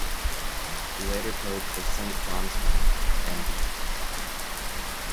He later played for St Johnstone and Beith.